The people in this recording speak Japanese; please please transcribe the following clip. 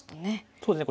そうですね